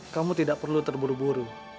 kamu tidak perlu terburu buru